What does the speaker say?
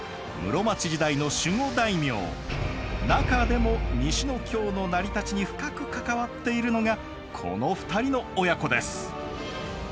中でも西の京の成り立ちに深く関わっているのがこの２人の親子です。